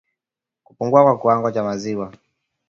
Kupungua kwa kiwango cha maziwa